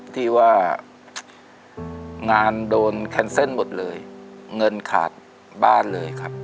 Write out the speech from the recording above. ที่ว่างานโดนแคนเซิลหมดเลยเงินขาดบ้านเลยครับ